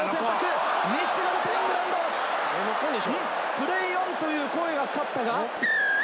プレーオンという声がかかったが。